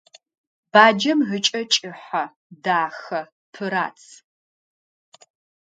Баджэм ыкӏэ кӏыхьэ, дахэ, пырац.